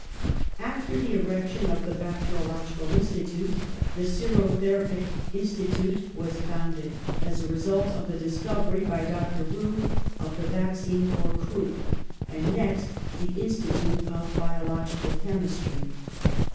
After the erection of the Bacteriological In stitute, the Serotherapic Institute was founded, as a result of the discovery, by Dr. Roux, of the vaccine for croup, and, next, the Institute of Biological CHemistry.